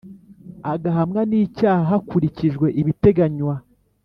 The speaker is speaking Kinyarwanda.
Agahamwa n icyaha hakurikijwe ibiteganywa